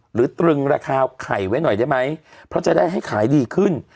ตรึงราคาไข่ไว้หน่อยได้ไหมเพราะจะได้ให้ขายดีขึ้น